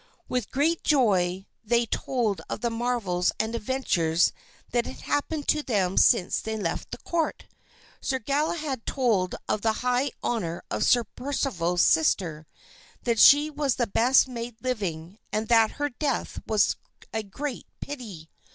With great joy they told of the marvels and adventures that had happened to them since they left the court. Sir Galahad told of the high honor of Sir Percival's sister, that she was the best maid living, and that her death was a great pity.